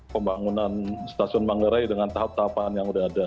pembangunan stasiun manggarai dengan tahap tahapan yang sudah ada